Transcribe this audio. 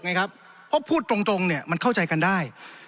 เพราะพูดตรงเนี่ยมันเข้าใจกันได้